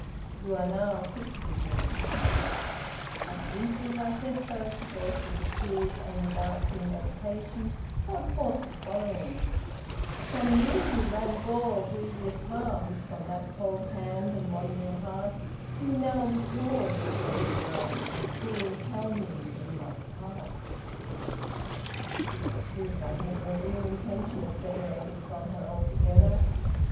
You are now quits with me,' At the instant I said so, she burst into tears and without premeditation, poured forth the following: 'From me, who long bore grievous harms, From that cold hand and wandering heart, You now withdraw your sheltering arms, And coolly tell me, we must part.' "To speak the truth, I had no real intention of separating from her altogether.